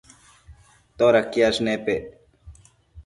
todaquiash nepec?